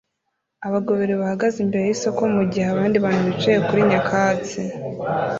Abagabo babiri bahagaze imbere yisoko mugihe abandi bantu bicaye kuri nyakatsi